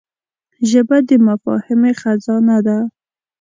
ژبه د مفاهمې خزانه ده